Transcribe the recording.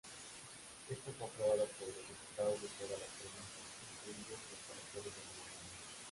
Esto fue aprobado por los diputados de todas las provincias, incluidos los territorios americanos.